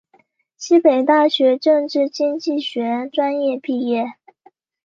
西北大学政治经济学专业毕业。